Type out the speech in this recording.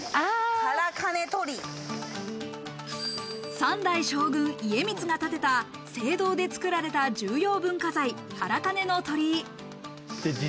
三代将軍・家光が建てた青銅で作られた重要文化財・唐銅鳥居。